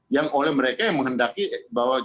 yang oleh mereka yang menghendaki bahwa